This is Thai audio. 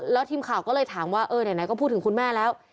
แล้วทีมข่าวก็เลยถามว่าเออไหนก็พูดถึงคุณแม่แล้ว